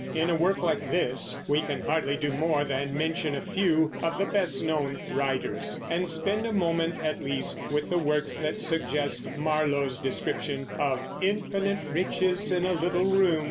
In a work like this, we can hardly do more than mention a few of the best known writers, and spend a moment at least with the works that suggest Marlowe's description of "infinite riches in a little room."